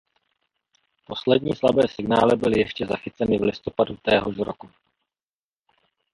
Poslední slabé signály byly ještě zachyceny v listopadu téhož roku.